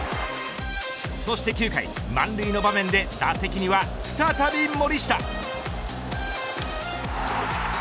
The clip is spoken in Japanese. そして９回、満塁の場面で打席には再び森下。